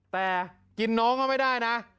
แล้วกินน้องก็ไม่ได้นะ